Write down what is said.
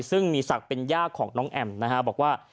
ซึ่งมีศักดิ์เป็นย่าของน้องแอมนะฮะบอกว่า